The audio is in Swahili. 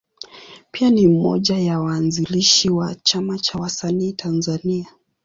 Pia ni mmoja ya waanzilishi wa Chama cha Wasanii Tanzania.